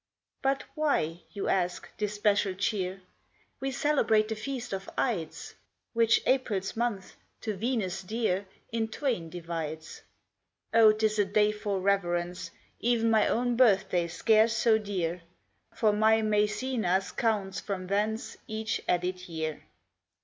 But why, you ask, this special cheer? We celebrate the feast of Ides, Which April's month, to Venus dear, In twain divides. O, 'tis a day for reverence, E'en my own birthday scarce so dear, For my Maecenas counts from thence Each added year.